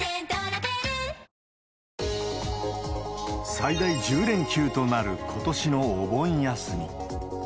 最大１０連休となる、ことしのお盆休み。